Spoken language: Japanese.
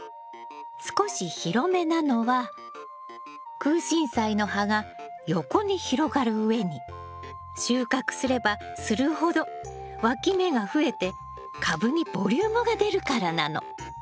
少し広めなのはクウシンサイの葉が横に広がるうえに収穫すればするほどわき芽が増えて株にボリュームが出るからなの。